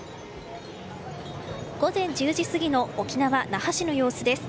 午前１０時過ぎの沖縄・那覇市の様子です。